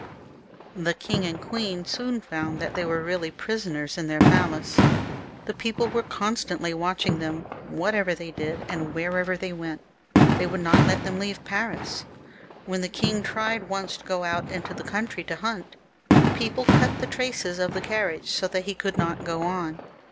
The king and queen soon found that they were really prisoners in their palace. The people were constantly watching them, whatever they did, and wherever they went. They would not let them leave Paris. When the king tried once to go out into the country to hunt, the people cut the traces of the carriage, so that he could not go on.